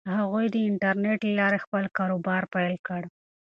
هغوی د انټرنیټ له لارې خپل کاروبار پیل کړ.